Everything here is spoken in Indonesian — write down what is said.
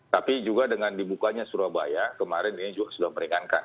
tapi juga dengan dibukanya surabaya kemarin ini juga sudah meringankan